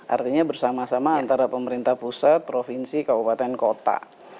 artinya bersama sama antara pemerintah pusat provinsi kabupaten kota